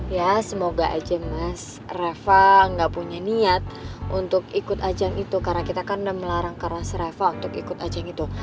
ya semoga aja mas reva nggak punya niat untuk ikut ajang itu karena kita kan udah melarang karas reva untuk ikut ajang itu